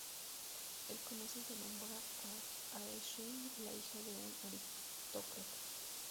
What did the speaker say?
Él conoce y se enamora de Ae-shin, la hija de un aristócrata.